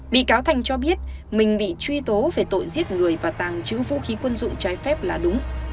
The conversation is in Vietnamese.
bị cáo thành cho biết mình bị truy tố về tội giết người và tàng trữ vũ khí quân dụng trái phép là đúng